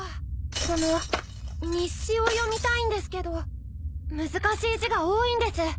この日誌を読みたいんですけど難しい字が多いんです。